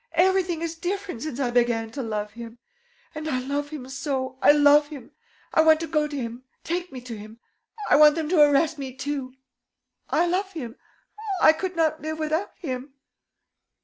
Everything is different since I began to love him. And I love him so! I love him! I want to go to him. Take me to him. I want them to arrest me too. I love him.... I could not live without him...."